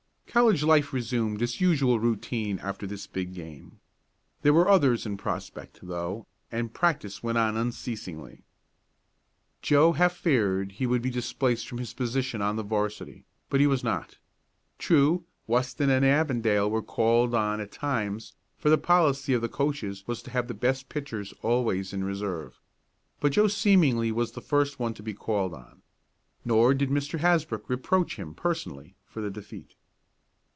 College life resumed its usual routine after this big game. There were others in prospect, though, and practice went on unceasingly. Joe half feared he would be displaced from his position on the 'varsity, but he was not. True, Weston and Avondale were called on at times, for the policy of the coaches was to have the best pitchers always in reserve. But Joe seemingly was the first one to be called on. Nor did Mr. Hasbrook reproach him, personally, for the defeat.